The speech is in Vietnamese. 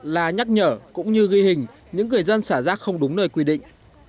là nhắc nhở cũng như ghi hình những người dân xả rác không đúng nơi quy định